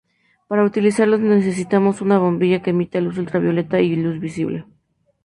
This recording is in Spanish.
Para utilizarlos necesitamos una bombilla que emita luz ultravioleta y luz visible.